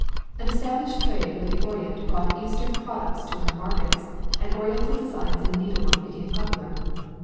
An established trade with the Orient brought Eastern products to her markets, and oriental designs in needlework became popular.